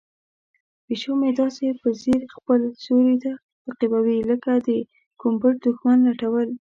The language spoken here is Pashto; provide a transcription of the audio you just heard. پیشو مې داسې په ځیر خپل سیوری تعقیبوي لکه د کوم پټ دښمن لټول.